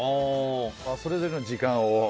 それぞれの時間を？